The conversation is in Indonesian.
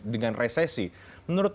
dengan resesi menurut